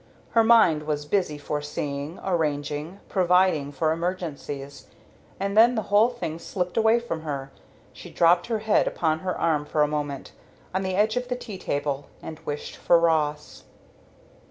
Her mind was busy foreseeing, arranging, providing for emergencies; and then the whole thing slipped away from her, she dropped her head upon her arm for a moment, on the edge of the tea table, and wished for Ross.